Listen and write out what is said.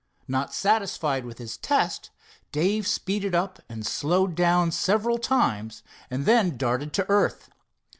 Not satisfied with his test, Dave speeded up and slowed down several times, and then darted to earth.